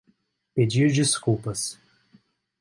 Pedir desculpas